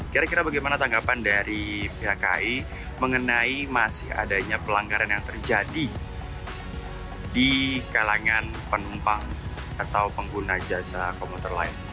kira kira bagaimana tanggapan dari pihak kai mengenai masih adanya pelanggaran yang terjadi di kalangan penumpang atau pengguna jasa komuter lain